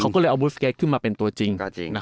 เขาก็เลยเอาบูสเก็ตขึ้นมาเป็นตัวจริง